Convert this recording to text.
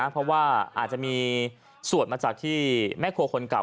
เพราะว่าอาจจะมีสวดมาจากที่แม่ครัวคนเก่า